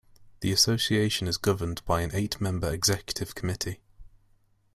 The association is governed by an eight-member Executive Committee.